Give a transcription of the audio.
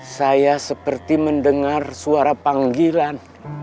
saya seperti mendengar suara panggilan